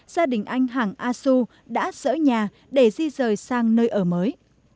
gia đình anh hằng a xu đã sở nhà để di rời sang nơi ở mới